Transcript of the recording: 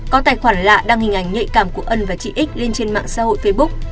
có tài khoản lạ đăng hình ảnh nhạy cảm của ân và chị x lên trên mạng xã hội facebook